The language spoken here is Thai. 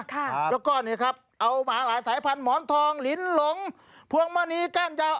แล้วก็นี่นะครับเอามาหลายสายพันธุ์หมอนทองลิ้นหลงพวงมะนีก้านเยา